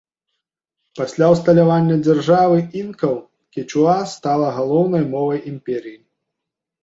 Пасля ўсталявання дзяржавы інкаў кечуа стала галоўнай мовай імперыі.